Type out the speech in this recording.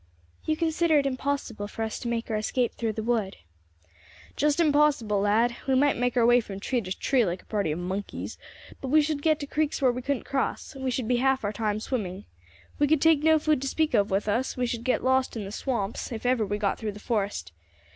"You consider it impossible for us to make our escape through the wood." "Just unpossible, lad. We might make our way from tree to tree, like a party of monkeys, but we should get to creeks where we couldn't cross; we should be half our time swimming. We could take no food to speak of with us; we should get lost in the swamps, if ever we got through the forest.